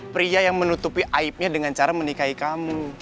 pria yang menutupi aibnya dengan cara menikahi kamu